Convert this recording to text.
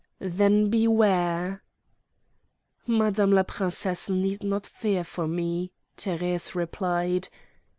"Then beware!" "Madame la princesse need not fear for me," Thérèse replied.